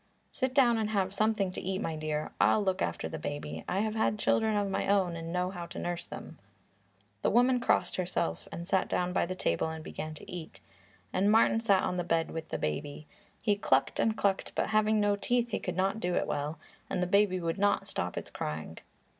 "Sit down and have something to eat, my dear. I'll look after the baby. I have had children of my own and know how to nurse them." The woman crossed herself, sat down by the table and began to eat, and Martin sat on the bed with the baby. He clucked and clucked, but having no teeth he could not do it well, and the baby would not stop its crying.